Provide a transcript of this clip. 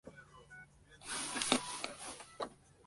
La incapacidad permanente puede tener varios grados.